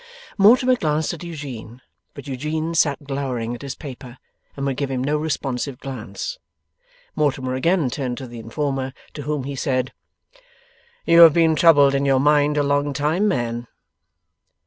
Mortimer glanced at Eugene, but Eugene sat glowering at his paper, and would give him no responsive glance. Mortimer again turned to the informer, to whom he said: 'You have been troubled in your mind a long time, man?